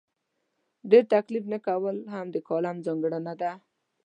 ډېر تکلف نه کول هم د کالم ځانګړنه ده.